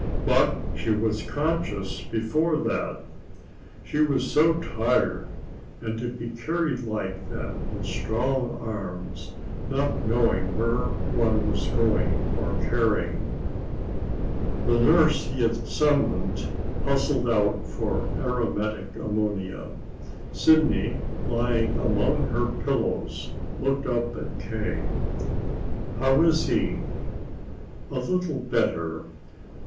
But she was conscious before that. She was so tired, and to be carried like that, in strong arms, not knowing where one was going, or caring The nurse he had summoned hustled out for aromatic ammonia. Sidney, lying among her pillows, looked up at K. "How is he?" "A little better.